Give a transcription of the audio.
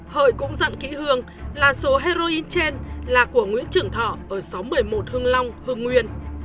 hợi cũng dặn kỹ hương là số heroin trên là của nguyễn trưởng thọ ở sáu trăm một mươi một hưng long hưng nguyên